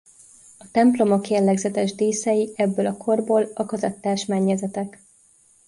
A templomok jellegzetes díszei ebből a korból a kazettás mennyezetek.